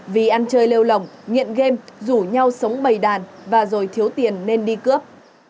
vì ăn chơi lêu lỏng nghiện game rủ nhau sống bầy đàn và rồi thiếu tiền nên đi cướp